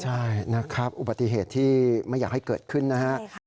ใช่นะครับอุบัติเหตุที่ไม่อยากให้เกิดขึ้นนะครับ